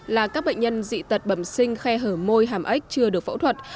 là các bệnh nhân dị tật bầm sinh khe hở môi hàm ếch chưa được phẫu thuật